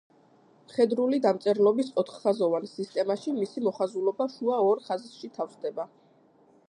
მხედრული დამწერლობის ოთხხაზოვან სისტემაში მისი მოხაზულობა შუა ორ ხაზში თავსდება.